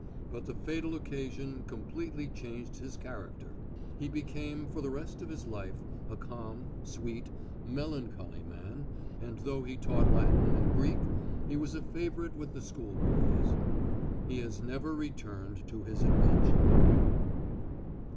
But the fatal occasion completely changed his character. He became for the rest of his life a calm, sweet, melancholy man, and though he taught Latin and Greek he was a favourite with the schoolboys. He has never returned to his invention.